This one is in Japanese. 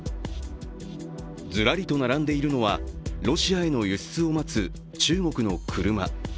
ずらりと並んでいるのはロシアへの輸出を待つ中国の車。